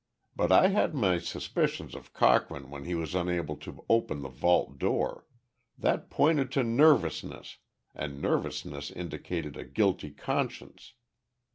"But I had my suspicions of Cochrane when he was unable to open the vault door. That pointed to nervousness, and nervousness indicated a guilty conscience.